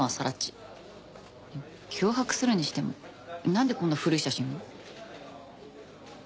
脅迫するにしてもなんでこんな古い写真を？